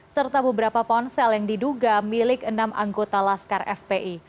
serta beberapa ponsel yang diduga milik enam anggota laskar fpi